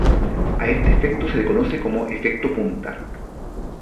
A este efecto se le conoce como efecto punta.